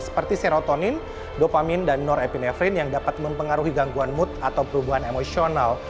seperti serotonin dopamin dan nor epinefrin yang dapat mempengaruhi gangguan mood atau perubahan emosional